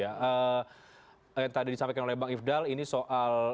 yang tadi disampaikan oleh bang ifdal ini soal